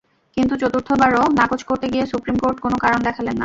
কিন্তু চতুর্থবারও নাকচ করতে গিয়ে সুপ্রিম কোর্ট কোনো কারণ দেখালেন না।